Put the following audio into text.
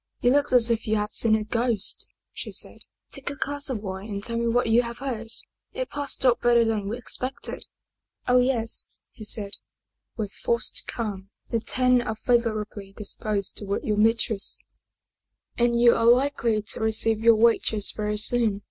" You look as if you had seen a ghost," she said. " Take a glass of wine and tell me what you have heard. It passed off better than we ex pected." " Oh, yes," he said, with forced calm. " The Ten are favorably disposed toward your mistress, and you are likely to receive your wages very soon.